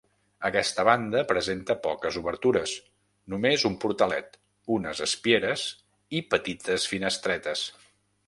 Aquesta banda presenta poques obertures, només un portalet, unes espieres i petites finestretes.